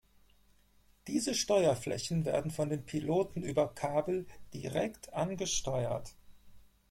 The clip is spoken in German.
Diese Steuerflächen werden von den Piloten über Kabel direkt angesteuert.